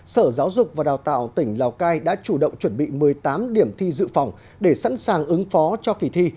sở giáo dục và đào tạo tỉnh lào cai đã chủ động chuẩn bị một mươi tám điểm thi dự phòng để sẵn sàng ứng phó cho kỳ thi